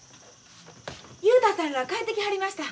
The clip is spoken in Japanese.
雄太さんら帰ってきはりました。